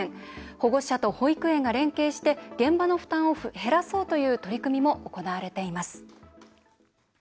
保護者と保育園が連携して現場の負担を減らそうという取り組みも行われています。